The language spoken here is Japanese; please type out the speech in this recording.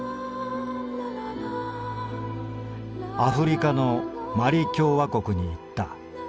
「アフリカのマリ共和国に行った。